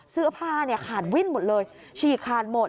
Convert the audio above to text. เสื้อผ้าเนี่ยขาดวิ่นหมดเลยฉีกขาดหมด